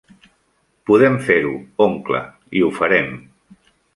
Podem fer-ho, oncle, i ho farem!